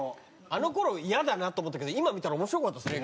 あの頃嫌だなと思ったけど今見たら面白かったですね